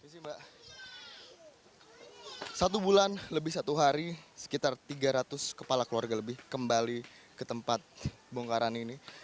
satu bulan lebih satu hari sekitar tiga ratus kepala keluarga lebih kembali ke tempat bongkaran ini